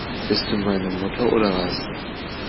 Bist du meine Mutter oder was?